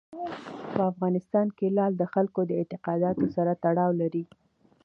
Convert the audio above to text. په افغانستان کې لعل د خلکو د اعتقاداتو سره تړاو لري.